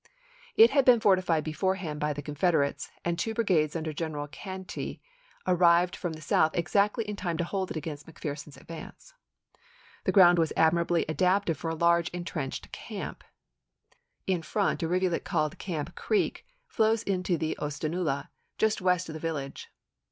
It had been fortified beforehand by the Confederates, and two brigades under General Cantey had arrived from the South exactly in time to hold it against McPherson's advance. The ground was admirably adapted for a large intrenched camp. In front a rivulet called Camp Creek flows into the Oosta naula just west of the village.